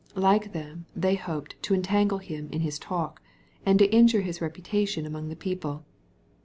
Like them, they hoped " to entangle Him in His talk/' and to injure His reputation among the people.